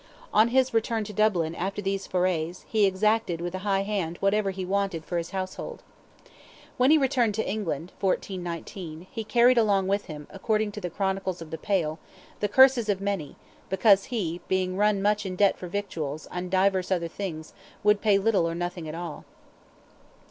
On his return to Dublin after these forays, he exacted with a high hand whatever he wanted for his household. When he returned to England, 1419, he carried along with him, according to the chronicles of the Pale—"the curses of many, because he, being run much in debt for victuals, and divers other things, would pay little or nothing at all."